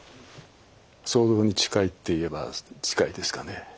想像に近いっていえば近いですかね。